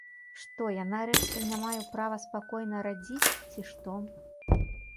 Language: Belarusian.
Што я, нарэшце, не маю права спакойна радзіць, ці што?